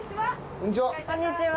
こんにちは。